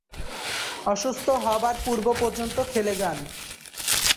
অসুস্থ হবার পূর্ব-পর্যন্ত খেলে যান।